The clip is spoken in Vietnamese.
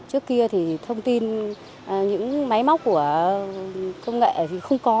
trước kia thì thông tin những máy móc của công nghệ thì không có